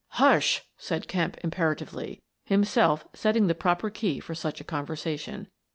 "Hush!" said Kemp, imperatively, himself set ting the proper key for such a conversation.